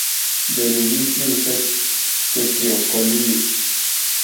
Yolilistli se tetliokolili